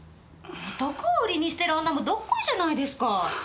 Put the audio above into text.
男を売りにしてる女もどっこいじゃないですか。